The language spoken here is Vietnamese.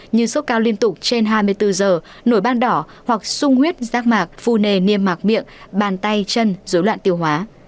như sốt cao liên tục trên hai mươi bốn giờ nổi ban đỏ hoặc sung huyết rác mạc phu nề niêm mạc miệng bàn tay chân dối loạn tiêu hóa